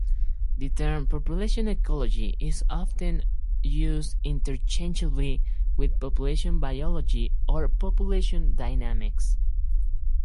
The term population ecology is often used interchangeably with population biology or population dynamics.